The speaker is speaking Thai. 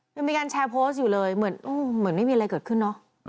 ยังมีการแชร์โพสต์อยู่เลยเหมือนไม่มีอะไรเกิดขึ้นเนอะ